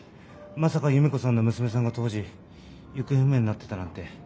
まさか夢子さんの娘さんが当時行方不明になってたなんて。